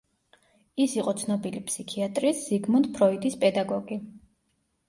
ის იყო ცნობილი ფსიქიატრის, ზიგმუნდ ფროიდის პედაგოგი.